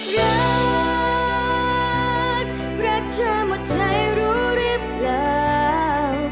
รักรักเธอหมดใจรู้หรือเปล่า